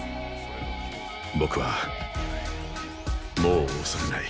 僕はもう恐れない。